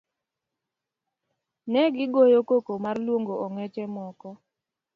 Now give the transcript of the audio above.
Negi goyo koko mar luongo ong'eche moko.